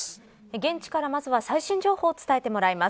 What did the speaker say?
現地から、まずは最新情報を伝えてもらいます。